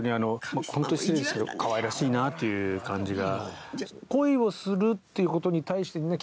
本当に失礼ですけど可愛らしいなという感じが。